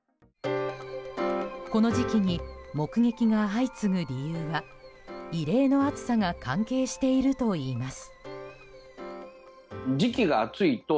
この時期に目撃が相次ぐ理由は異例の暑さが関係しているといいます。